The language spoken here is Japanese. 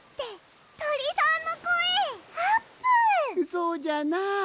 そうじゃなあ。